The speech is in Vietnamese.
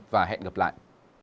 và hẹn gặp lại